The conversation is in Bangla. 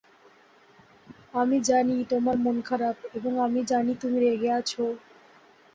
আমি জানি তোমার মন খারাপ, এবং আমি জানি তুমি রেগে আছো।